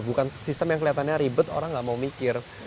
bukan sistem yang kelihatannya ribet orang nggak mau mikir